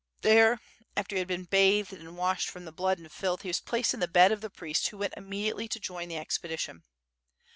There, after he had been bathed and washed from the blood and filth, he was placed in the bed of the priest, who went immediately to join the expedition.